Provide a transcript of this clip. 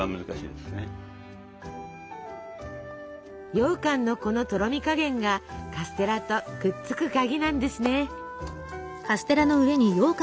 ようかんのこのとろみ加減がカステラとくっつく鍵なんですね。